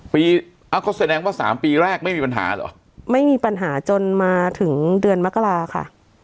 เขาแสดงว่าสามปีแรกไม่มีปัญหาเหรอไม่มีปัญหาจนมาถึงเดือนมกราค่ะ